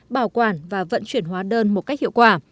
bảo quản và vận chuyển hóa đơn một cách hiệu quả